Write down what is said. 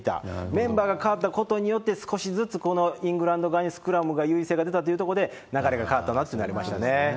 メンバーが変わったことで、少しずつイングランド側にスクラムが優位性が出たというところで流れが変わったというところはありましたね。